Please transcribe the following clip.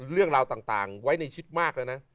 เรื่องราวต่างไว้ในชีวิตมากแล้วนะ